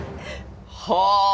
はあ！